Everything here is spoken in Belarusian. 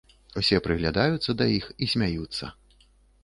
Усе прыглядаюцца да іх і смяюцца.